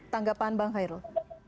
tanggapan bang khairul